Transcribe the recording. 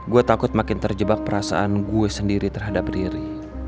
gua takut makin terjebak perasaan gua sendiri terhadap riri